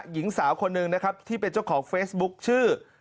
หญิงสาวคนหนึ่งนะครับที่เป็นเจ้าของเฟซบุ๊คชื่อ